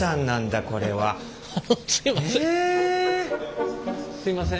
あのすいません。